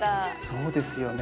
そうですよね。